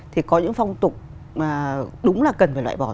thì có những phong tục mà đúng là cần phải loại bỏ